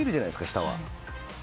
下は。